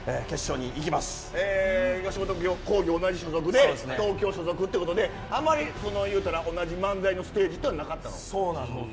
同じ吉本興業の東京所属ということであまり同じ漫才のステージってなかったの。